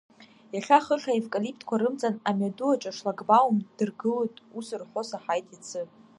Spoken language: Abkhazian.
Иахьа хыхь аевкалиптқәа рымҵан амҩаду аҿы ашлагбаум дыргылоит, ус рҳәо саҳаит иацы.